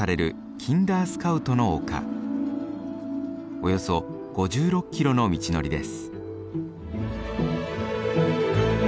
およそ５６キロの道のりです。